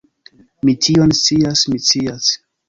Mi tion scias, mi scias!